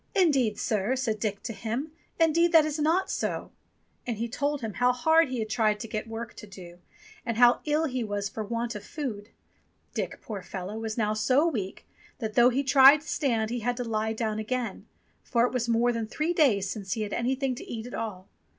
"Indeed, sir," said Dick to him, "indeed that is not so" ; and he told him how hard he had tried to get work to do. I'm afraid you 242 ENGLISH FAIRY TALES and how ill he was for want of food. Dick, poor fellow, was now so weak that though he tried to stand he had to lie down again, for it was more than three days since he had had anything to eat at all.